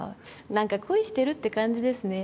何か恋してるって感じですね。